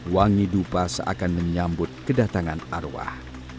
wangi dupa seakan menyambut kedatangan arwah